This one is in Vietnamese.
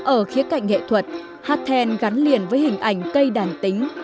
ở khía cạnh nghệ thuật hát then gắn liền với hình ảnh cây đàn tính